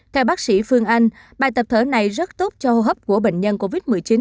theo bác sĩ phương anh bài tập thở này rất tốt cho hô hấp của bệnh nhân covid một mươi chín